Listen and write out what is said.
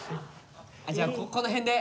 じゃあこの辺で。